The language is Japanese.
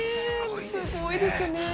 すごいですよね。